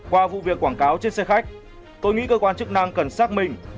qua vụ việc quảng cáo trên xe khách tôi nghĩ cơ quan chức năng cần xác minh